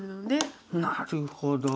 なるほど。